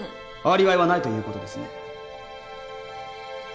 アリバイはないという事ですね。